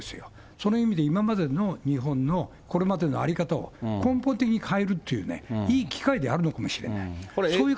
その意味で今までの日本の、これまでの在り方を、根本的に変えるっていうね、いい機会であるのかもしれない。